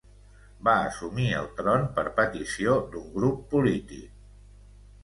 Va assumir el tron per petició d'un grup polític.